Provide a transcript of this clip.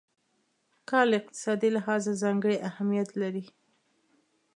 کار له اقتصادي لحاظه ځانګړی اهميت لري.